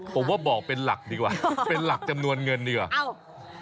ผมว่าบอกเป็นหลักดีกว่าเป็นหลักจำนวนเงินดีกว่าเอ้า